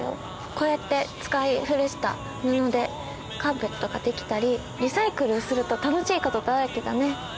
こうやって使い古した布でカーペットが出来たりリサイクルすると楽しいことだらけだね。